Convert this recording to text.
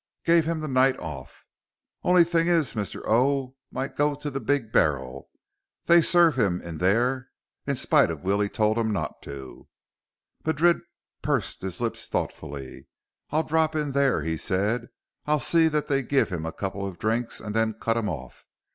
"Gave him the night off." "Only thing is, Mr. O. might go to the Big Barrel. They serve him in there in spite of Willie told 'em not to." Madrid pursed his lips thoughtfully. "I'll drop in there," he said. "I'll see that they give him a couple of drinks and then cut him off.